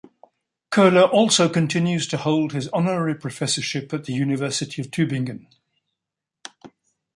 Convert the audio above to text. Köhler also continues to hold his honorary professorship at the University of Tübingen..